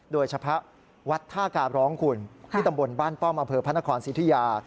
โดยเฉพาะวัดท่ากาบร้องคุณที่ตำบลบ้านป้อมอำเภอพระนครสิทุยา